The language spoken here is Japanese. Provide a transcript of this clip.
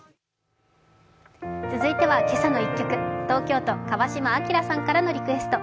続いては「けさの１曲」東京都・川島明さんからのリクエスト。